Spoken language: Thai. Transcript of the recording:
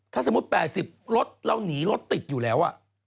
ถ้าสมมุติ๘๐รถเราหนีรถติดอยู่แล้ว